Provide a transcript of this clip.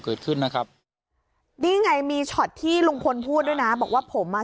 เกิดขึ้นนะครับนี่ไงมีช็อตที่ลุงพลพูดด้วยนะบอกว่าผมอ่ะ